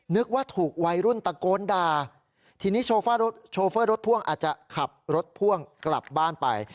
นึกว่าถูกวัยรุ่นตะโกนด่าทีนี้โชเฟอร์รถโชเฟอร์รถพ่วงอาจจะขับรถพ่วงกลับบ้านไป